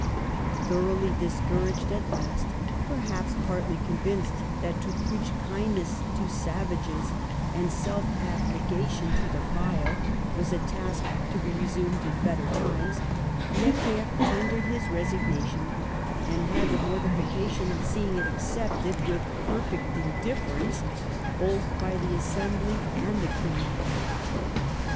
Thoroughly discouraged at last (perhaps partly convinced that to preach kindness to savages, and self abnegation to the vile, was a task to be resumed in better times) Necker tendered his resignation, and had the mortification of seeing it accepted with perfect indifference both by the Assembly and the King.